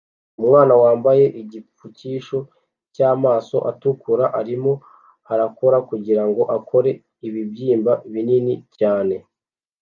Umwana wambaye igipfukisho cyamaso atukura arimo arakora kugirango akore ibibyimba binini cyane